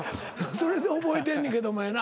それで覚えてんねけどもやな。